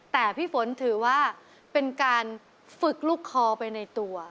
แต่พี่ฝนถือว่าเป็นการฝึกลูกคอไปในตัว